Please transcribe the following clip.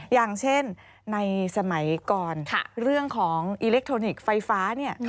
อย่างเช่นในสมัยก่อนเรื่องของอิเล็กทรอนิกส์ไฟฟ้าเนี่ย